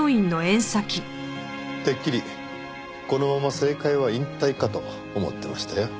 てっきりこのまま政界は引退かと思ってましたよ。